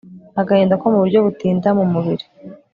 agahinda komuburyo butinda mumubiri